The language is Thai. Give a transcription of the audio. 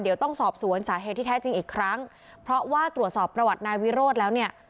เดี๋ยวต้องสอบสวนสาเหตุที่แท้จริงอีกครั้งเพราะว่าตรวจสอบประวัตินายวิโรธแล้วเนี่ย